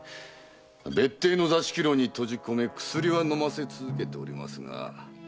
別邸の座敷牢に閉じこめ薬は飲ませ続けておりますが。